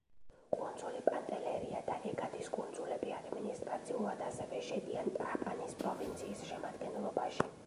კუნძული პანტელერია და ეგადის კუნძულები ადმინისტრაციულად ასევე შედიან ტრაპანის პროვინციის შემადგენლობაში.